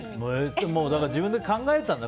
だから自分で考えたんだ。